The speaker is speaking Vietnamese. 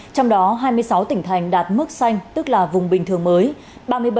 trong đó hai mươi sáu tỉnh thành đạt mức xanh tức là vùng bình thường mới